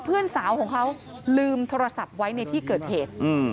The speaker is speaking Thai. เพื่อนสาวของเขาลืมโทรศัพท์ไว้ในที่เกิดเหตุ